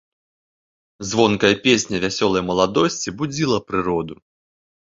Звонкая песня вясёлай маладосці будзіла прыроду.